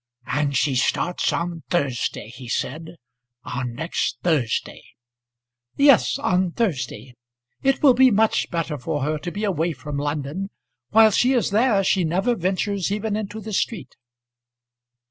"And she starts on Thursday," he said; "on next Thursday." "Yes, on Thursday. It will be much better for her to be away from London. While she is there she never ventures even into the street."